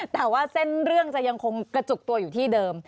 แต่ว่าเส้นเรื่องจะยังคงกระจุกตัวอยู่ที่เดิม